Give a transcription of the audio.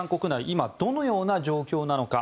今、どのような状況なのか。